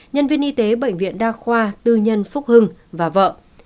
nhân viên y tế bệnh viện đa khoa tư nhân phúc hưng và vợ